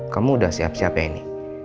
kamu udah siap siap ini